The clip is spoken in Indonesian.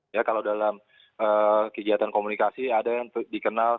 ya kalau dalam kegiatan media sosial itu kan tidak bisa hanya mengandalkan pada satu channel saja